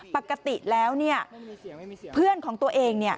ปกติแล้วเนี่ยเพื่อนของตัวเอง